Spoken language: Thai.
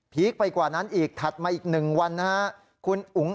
พีคไปกว่านั้นอีกถัดมาอีกหนึ่งวัน